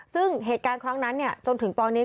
ซึ่งเหตุการณ์ครั้งนั้นจนถึงตอนนี้